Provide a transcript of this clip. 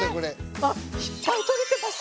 あっいっぱいとれてます。